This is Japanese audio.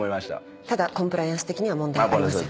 ただコンプライアンス的には問題ありません。